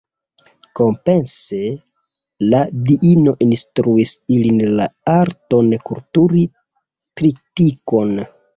Kompense, la diino instruis ilin la arton kulturi tritikon.